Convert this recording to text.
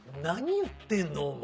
何言ってんの？